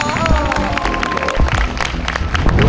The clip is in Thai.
ไม่ออกไปเลย